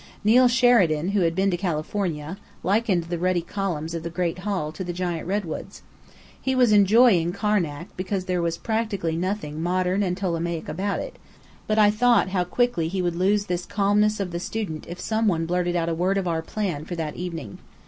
Neill Sheridan, who had been to California, likened the ruddy columns of the Great Hall to the giant redwoods. He was enjoying Karnak because there was practically nothing "modern and Ptolemaic about it," but I thought how quickly he would lose this calmness of the student if some one blurted out a word about our plan for that evening.